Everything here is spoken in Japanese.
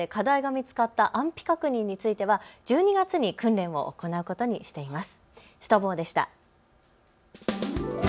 この動画作りの中で課題が見つかった安否確認については１２月に訓練を行うことにしています。